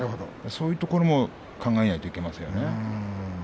そういうところは考えないといけませんよね。